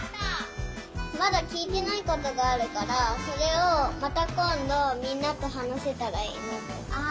まだきいてないことがあるからそれをまたこんどみんなとはなせたらいいな。